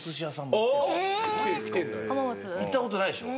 行ったことないでしょ？